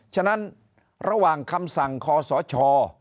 ฉะนั้นระหว่างคำสั่งคอสช